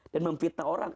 dan memfitnah orang